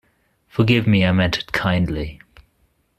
Forgive me, I meant it kindly.